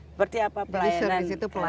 seperti apa pelayanan